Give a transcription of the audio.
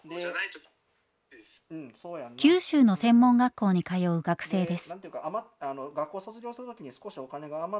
九州の専門学校に通う学生です。